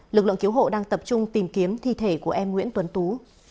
lực lượng cứu hộ đang tập trung tìm kiếm thi thể của em nguyễn tuấn tú